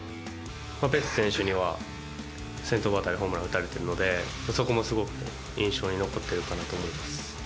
ベッツ選手には先頭バッターでホームラン打たれてるので、そこもすごく印象に残ってるかなと思います。